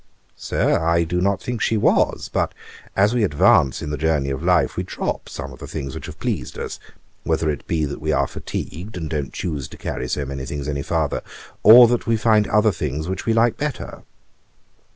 'Sir, I do not think she was. But as we advance in the journey of life, we drop some of the things which have pleased us; whether it be that we are fatigued and don't choose to carry so many things any farther, or that we find other things which we like better.'